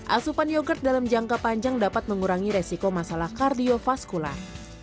asupan yogurt dalam jangka panjang dapat mengurangi resiko masalah kardiofaskular